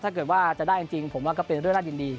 ถ้าเกิดว่าจะได้จริงผมว่าก็เป็นเรื่องน่ายินดี